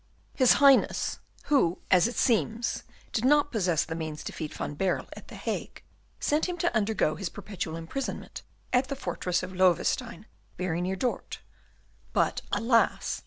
His Highness, who, as it seems, did not possess the means to feed Van Baerle at the Hague, sent him to undergo his perpetual imprisonment at the fortress of Loewestein, very near Dort, but, alas!